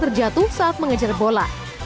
terjatuh saat mengejar bola